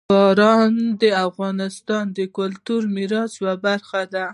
باران د افغانستان د کلتوري میراث یوه برخه ده.